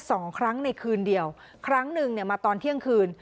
สองครั้งในคืนเดียวครั้งหนึ่งเนี่ยมาตอนเที่ยงคืน